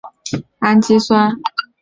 半胱氨酸的非必需氨基酸。